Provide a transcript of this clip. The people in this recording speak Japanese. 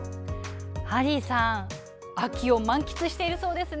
ハリーさん、秋を満喫しているそうですね。